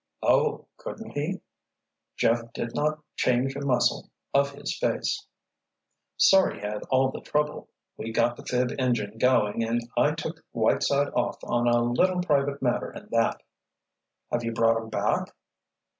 "Oh, couldn't he?" Jeff did not change a muscle of his face. "Sorry he had all the trouble. We got the 'phib' engine going and I took Whiteside off on a little private matter in that." "Have you brought him back?"